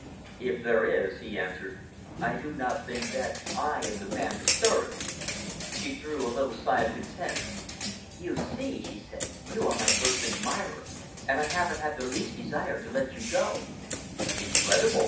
"If there is," he answered, "I do not think that I am the man to stir it." She drew a little sigh of content. "You see," she said, "you are my first admirer, and I haven't the least desire to let you go." "Incredible!"